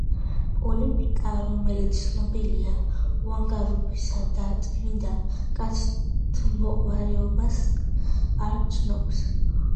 პოლიტიკა, როგორც ცნობილია, უანგარობასა და წმინდა კაცთმოყვარეობას არ ცნობს